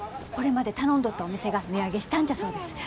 これまで頼んどったお店が値上げしたんじゃそうです。